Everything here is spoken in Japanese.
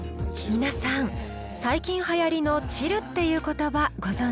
皆さん最近はやりの「チル」っていう言葉ご存じ？